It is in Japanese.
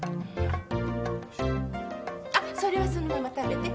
あっそれはそのまま食べて。